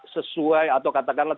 sesuai atau katakanlah